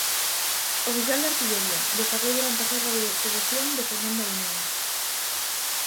Oficial de artillería, destacou durante a Guerra de Secesión defendendo a Unión.